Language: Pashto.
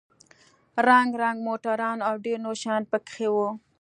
رنگ رنگ موټران او ډېر نور شيان پکښې وو.